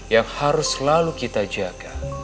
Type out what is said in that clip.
yang harus selalu kita jaga